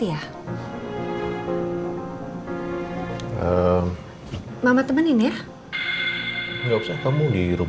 iya berarti assalamualaikum